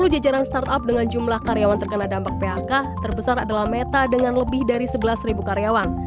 sepuluh jajaran startup dengan jumlah karyawan terkena dampak phk terbesar adalah meta dengan lebih dari sebelas karyawan